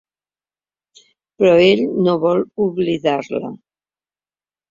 Però ell no vol oblidar-la.